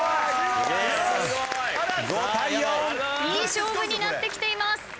いい勝負になってきています。